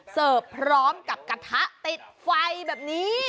เสิร์ฟพร้อมกับกระทะติดไฟแบบนี้